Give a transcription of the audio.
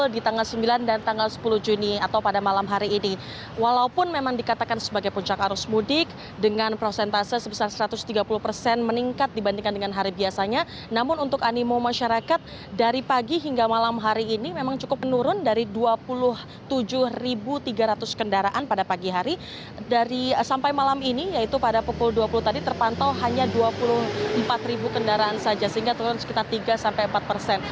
dari sampai malam ini yaitu pada pukul dua puluh tadi terpantau hanya dua puluh empat ribu kendaraan saja sehingga turun sekitar tiga empat persen